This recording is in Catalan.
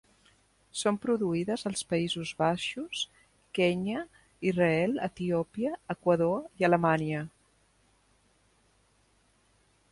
Són produïdes als Països Baixos, Kenya, Israel, Etiòpia, Equador i Alemanya.